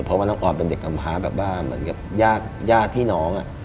เพราะว่าน้องอ่อนเป็นเด็กกรรมภาพแบบมีญาติพี่น้อง